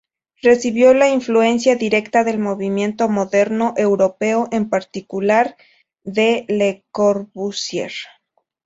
Recibió la influencia directa del movimiento moderno europeo, en particular de Le Corbusier.